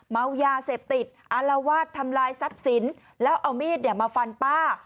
เมายาเสพติดอารวาสทำลายทรัพย์สินแล้วเอามีดมาฟันป้า